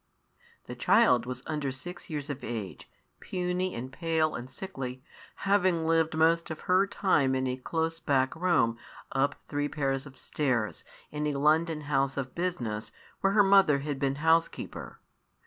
The child was under six years of age, puny and pale and sickly, having lived most of her time in a close back room, up three pairs of stairs, in a London house of business, where her mother had been housekeeper.